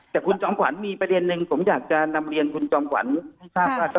แต่คุณจอมขวัญมีประเด็นหนึ่งผมอยากจะนำเรียนคุณจอมขวัญให้ทราบว่า